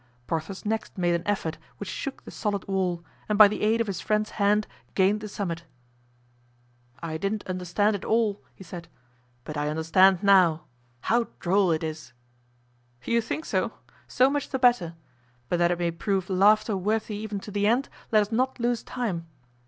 Porthos next made an effort which shook the solid wall, and by the aid of his friend's hand gained the summit. "I didn't understand it all," he said, "but I understand now; how droll it is!" "You think so? so much the better; but that it may prove laughter worthy even to the end, let us not lose time."